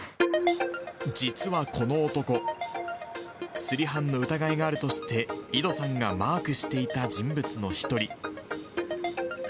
実はこの男、すり犯の疑いがあるとして井戸さんがマークしていた人物の１人。